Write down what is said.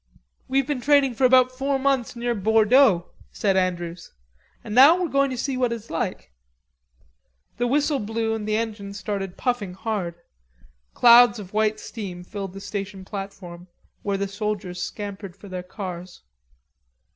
"We've been training about four months near Bordeaux," said Andrews; "and now we're going to see what it's like." The whistle blew and the engine started puffing hard. Clouds of white steam filled the station platform, where the soldiers scampered for their cars.